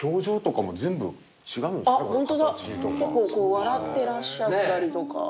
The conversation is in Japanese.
笑ってらっしゃったりとか。